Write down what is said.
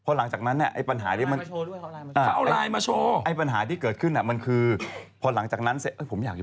พอหลังจากนั้นเนี่ยปัญหาที่มันคือพอหลังจากนั้นพอเอาไลน์มาโชว์